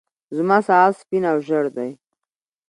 زما ساعت سپين او ژړ دی.